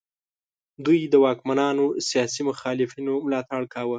دوی د واکمنانو سیاسي مخالفینو ملاتړ کاوه.